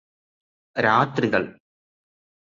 രാത്രികള്